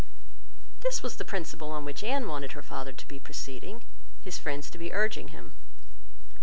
This was the principle on which Anne wanted her father to be proceeding, his friends to be urging him.